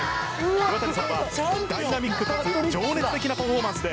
岩谷さんはダイナミックかつ情熱的なパフォーマンスで